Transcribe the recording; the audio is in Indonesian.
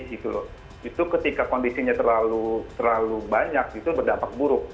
itu ketika kondisinya terlalu banyak itu berdampak buruk